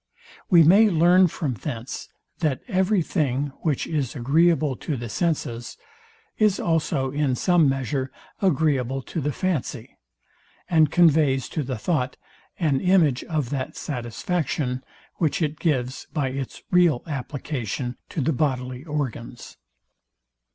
We may learn from thence, that every thing, which is agreeable to the senses, is also in some measure agreeable to the fancy, and conveys to the thought an image of that satisfaction, which it gives by its real application to the bodily organs.